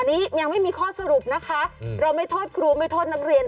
อันนี้ยังไม่มีข้อสรุปนะคะเราไม่โทษครูไม่โทษนักเรียน